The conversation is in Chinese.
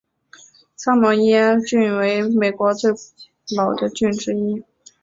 桑莫塞郡为美国最老的郡之一。